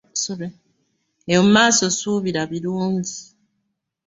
Eyo mu maaso suubira birungi.